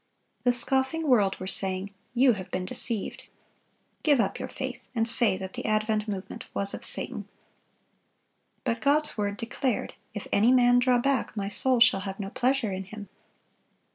The scoffing world were saying: "You have been deceived. Give up your faith, and say that the Advent Movement was of Satan." But God's word declared, "If any man draw back, My soul shall have no pleasure in him."